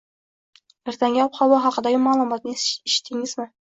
Ertangi ob-havo haqidagi ma’lumotni eshitdingizmi?